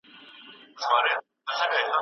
ولي زیارکښ کس د لوستي کس په پرتله هدف ترلاسه کوي؟